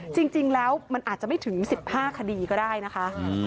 จริงแล้วมันอาจจะไม่ถึง๑๕คดีก็ได้นะคะ